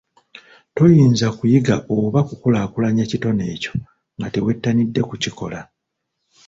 Toyinza kuyiga oba kukulaakulanya kitone ekyo nga tewettanidde kukikola.